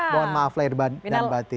mohon maaf lahir dan batin